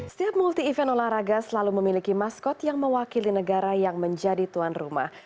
setiap multi event olahraga selalu memiliki maskot yang mewakili negara yang menjadi tuan rumah